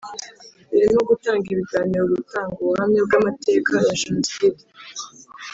birimo gutanga ibiganiro gutanga ubuhamya bw amateka ya Jenoside